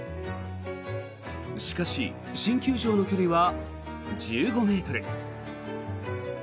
しかし、新球場の距離は１５ｍ。